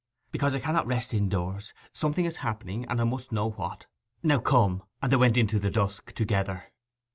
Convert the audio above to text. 'Because I cannot rest indoors. Something is happening, and I must know what. Now, come!' And they went into the dusk together.